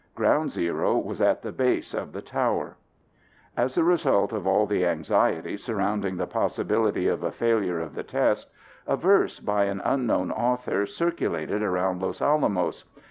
Ground Zero was at the base of the tower. As a result of all the anxiety surrounding the possibility of a failure of the test, a verse by an unknown author circulated around Los Alamos.